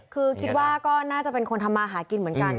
คือคิดว่าก็น่าจะเป็นคนทำมาหากินเหมือนกัน